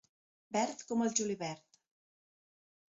Verd com el julivert.